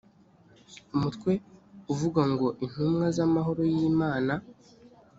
umutwe uvuga ngo intumwa z amahoro y imana